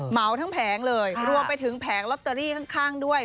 เหมาทั้งแผงเลยรวมไปถึงแผงลอตเตอรี่ข้างด้วย